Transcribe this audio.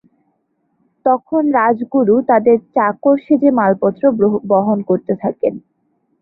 তখন রাজগুরু তাদের চাকর সেজে মালপত্র বহন করতে থাকেন।